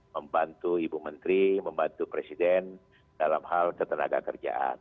membantu ibu menteri membantu presiden dalam hal ketenaga kerjaan